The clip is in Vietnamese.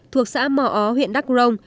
thuộc xã mò ó huyện đắc rồng